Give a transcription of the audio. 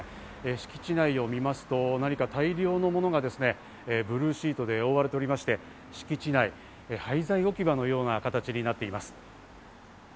敷地内を見ますと、何か大量のものがブルーシートで覆われていまして敷地内は廃材置き場のような形になっています。